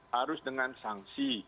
harus dengan sanksi